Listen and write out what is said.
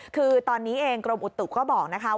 คือตอนนี้เองกรมอุตุก็บอกนะคะ